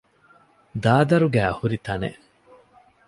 ދާދަރުގައި ހުރި ތަނެއް